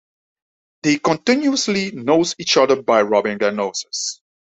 They continuously nose each other by rubbing their noses.